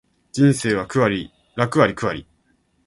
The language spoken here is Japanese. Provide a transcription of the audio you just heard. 人生は楽あり苦あり